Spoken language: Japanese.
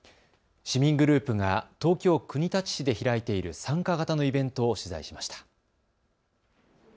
市民グループが東京国立市で開いている参加型のイベントを取材しました。